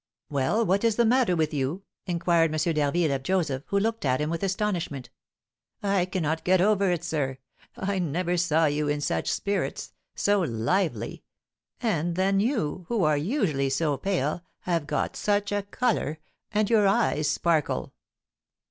"Well, what is the matter with you?" inquired M. d'Harville of Joseph, who looked at him with astonishment. "I cannot get over it, sir; I never saw you in such spirits, so lively; and then you, who are usually so pale, have got such a colour, and your eyes sparkle."